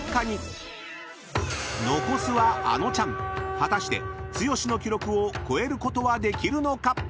［果たして剛の記録を超えることはできるのか？］